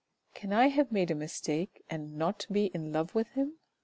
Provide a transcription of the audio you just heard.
"Can I have made a mistake, and not be in love with him